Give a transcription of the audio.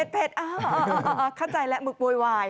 โอ้เผ็ดอ่าคันใจแล้วหมึกโว๊ยวาย